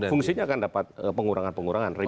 fungsinya akan dapat pengurangan pengurangan